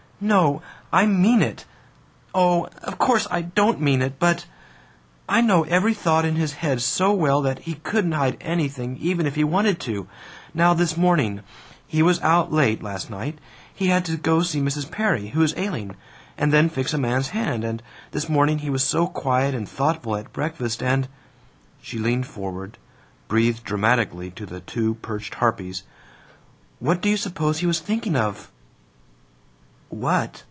"No, I mean it! Oh, of course, I don't mean it! But I know every thought in his head so well that he couldn't hide anything even if he wanted to. Now this morning He was out late, last night; he had to go see Mrs. Perry, who is ailing, and then fix a man's hand, and this morning he was so quiet and thoughtful at breakfast and " She leaned forward, breathed dramatically to the two perched harpies, "What do you suppose he was thinking of?" "What?"